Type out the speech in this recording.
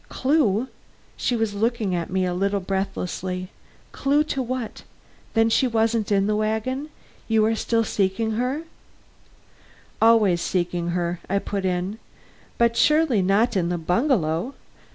"Clue?" She was looking at me a little breathlessly. "Clue to what? Then she wasn't in the wagon; you are still seeking her " "Always seeking her," I put in. "But surely not in the bungalow!"